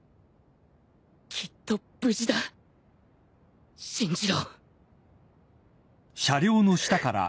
きっと無事だ信じろフゥフゥ。